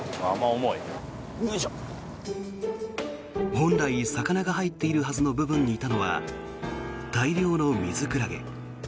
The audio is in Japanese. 本来、魚が入っているはずの部分にいたのは大量のミズクラゲ。